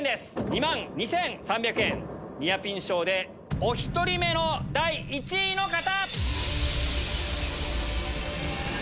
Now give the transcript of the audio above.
２万２３００円ニアピン賞でお１人目の第１位の方！